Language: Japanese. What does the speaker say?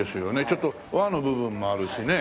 ちょっと和の部分もあるしね。